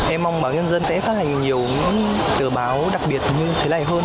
em mong báo nhân dân sẽ phát hành nhiều tờ báo đặc biệt như thế này hơn